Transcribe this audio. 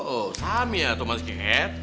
oh tami atau mas gede